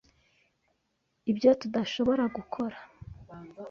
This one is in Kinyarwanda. Ibyo tudashobora gukora.